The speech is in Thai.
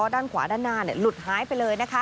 ด้านขวาด้านหน้าหลุดหายไปเลย